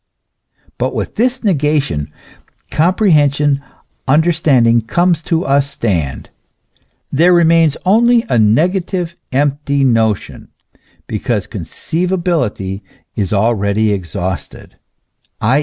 But with this negation, comprehension, understanding comes to a stand ; there remains only a negative, empty notion, because conceivability is already exhausted, i.